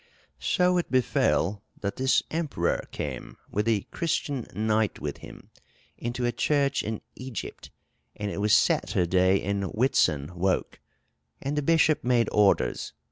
"So it befelle, that this emperour cam, with a Cristene knyght with him, into a chirche in Egypt: and it was Saterday in Wyttson woke. And the bishop made orders.